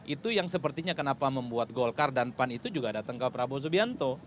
itu yang sepertinya kenapa membuat golkar dan pan itu juga datang ke prabowo subianto